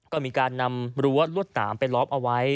ก็มีการนำรั้วรวดหนามไปล้อมเอาไว้